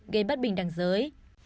gây bất bình đằng giới